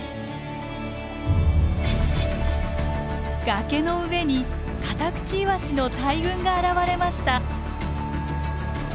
崖の上にカタクチイワシの大群が現れました。